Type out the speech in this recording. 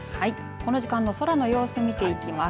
この時間の空の様子を見ていきます。